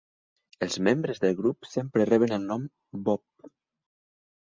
Els membres del grup sempre reben el nom "Bob".